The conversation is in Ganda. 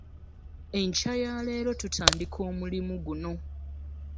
Enkya ya leero tutandika omulimu guno.